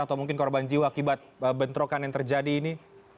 atau mungkin korban jiwa akibat bentrokan yang terjadi ini